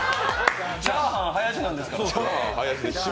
チャーハン林ですからね。